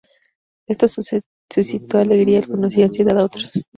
Esto suscitó alegría a algunos y ansiedad a otros.